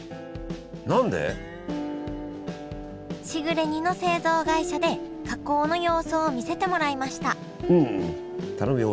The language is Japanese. しぐれ煮の製造会社で加工の様子を見せてもらいました頼むよ